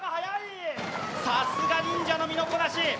さすが忍者の身のこなし。